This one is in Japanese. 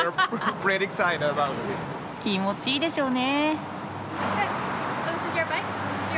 気持ちいいでしょうね。